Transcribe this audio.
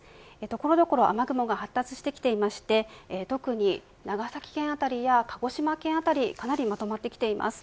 所々、雨雲が発達してきていまして特に長崎県辺りや鹿児島県辺りかなりまとまってきています。